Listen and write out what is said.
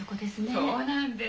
そうなんです。